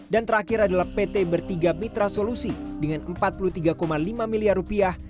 dan terakhir adalah pt bertiga mitra solusi dengan empat puluh tiga lima miliar rupiah